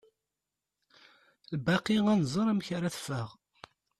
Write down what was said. Lbaqi ad nẓer amek ara teffeɣ.